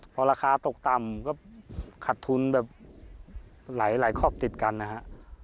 พอราคาตกต่ำก็ขัดทุนแบบหลายครอบติดกันนะฮะ